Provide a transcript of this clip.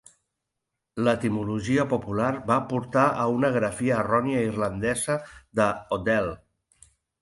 L'etimologia popular va portar a una grafia errònia irlandesa de "O'Dell".